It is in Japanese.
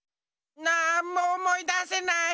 なんもおもいだせない。